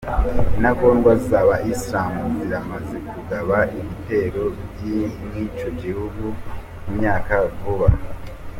Intagondwa z'aba Islamu ziramaze kugaba ibitero mw'ico gihugu mu myaka ya vuba.